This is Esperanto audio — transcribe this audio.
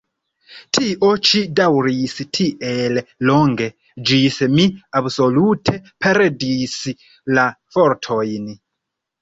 Tio ĉi daŭris tiel longe, ĝis mi absolute perdis la fortojn.